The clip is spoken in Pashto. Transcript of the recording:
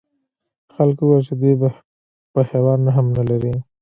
خلکو وویل چې دوی په حیوان رحم نه لري.